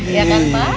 iya kan pak